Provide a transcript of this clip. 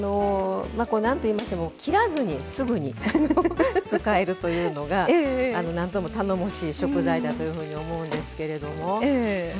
なんと言いましても切らずにすぐに使えるというのがなんとも頼もしい食材だというふうに思うんですけども。